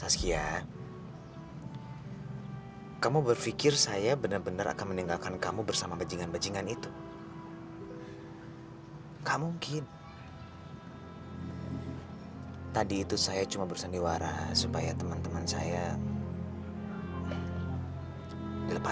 sampai jumpa di video selanjutnya